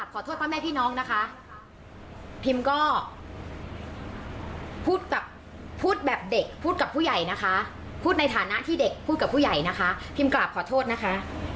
พิมพ์กราบขอโทษนะค่ะ